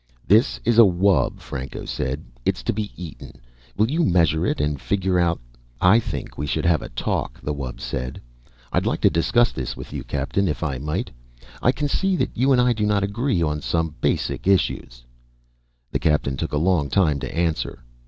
"This is a wub," Franco said. "It's to be eaten. Will you measure it and figure out " "I think we should have a talk," the wub said. "I'd like to discuss this with you, Captain, if I might. I can see that you and I do not agree on some basic issues." The Captain took a long time to answer.